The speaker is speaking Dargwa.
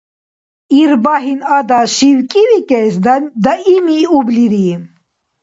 Ирбагьин–ада шивкӏивикӏес даимиублири: